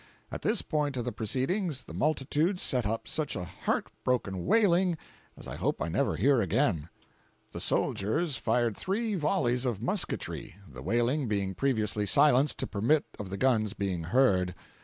At this point of the proceedings the multitude set up such a heart broken wailing as I hope never to hear again. 492.jpg (90K) The soldiers fired three volleys of musketry—the wailing being previously silenced to permit of the guns being heard.